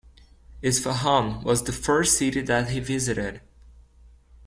Isfahan was the first city that he visited.